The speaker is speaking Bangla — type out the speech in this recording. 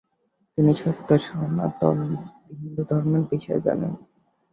তিনি সত্য সনাতন হিন্দু ধর্মের বিষয়ে জানেন।